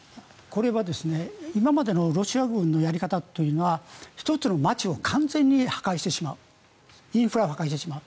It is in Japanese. これは今までのロシア軍のやり方というのは１つの街を完全に破壊してしまうインフラを破壊してしまう。